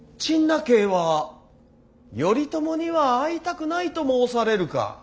陳和は頼朝には会いたくないと申されるか。